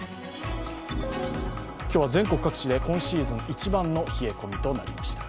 今日は全国各地で今シーズン一番の冷え込みとなりました。